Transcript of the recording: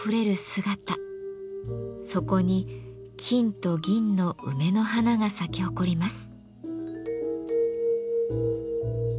そこに金と銀の梅の花が咲き誇ります。